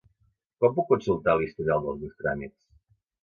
Com puc consultar l'historial dels meus tràmits?